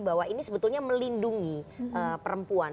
bahwa ini sebetulnya melindungi perempuan